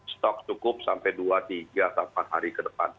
stok cukup sampai dua tiga atau empat hari ke depan